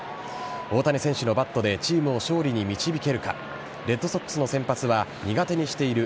大谷選手のバットでチームを勝利に導けるかレッドソックスの先発は苦手にしている